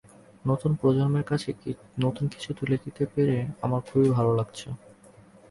নতুন প্রজন্মের কাছে নতুন কিছু তুলে দিতে পেরে আমাদের খুবই ভালো লাগছে।